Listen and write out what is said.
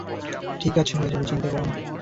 ঠিক আছে হয়ে যাবে, চিন্তা করো না।